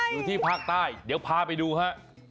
อยู่ที่ภาคใต้เดี๋ยวพาไปดูฮะ